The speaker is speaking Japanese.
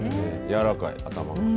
柔らかい、頭が。